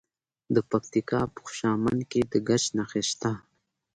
د پکتیکا په خوشامند کې د ګچ نښې شته.